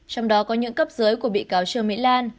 trong đó có những cấp dưới của bị cáo trương mỹ lan